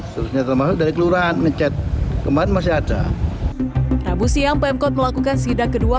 seterusnya termasuk dari keluarga mencet kemarin masih ada rabu siang pmkot melakukan sidak kedua